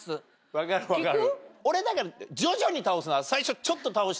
分かる分かる。